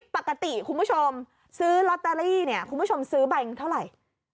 ปกติคุณผู้ชมซื้อลอตเตอรี่เนี่ยคุณผู้ชมซื้อใบเท่าไหร่